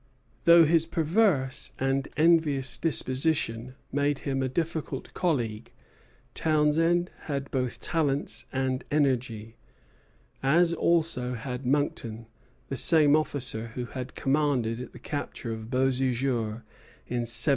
Though his perverse and envious disposition made him a difficult colleague, Townshend had both talents and energy; as also had Monckton, the same officer who commanded at the capture of Beauséjour in 1755.